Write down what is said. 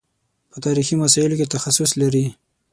په تاریخي مسایلو کې تخصص لري.